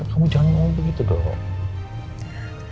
kamu jangan ngomong begitu dong